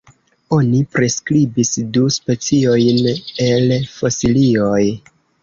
Oni priskribis du speciojn el fosilioj.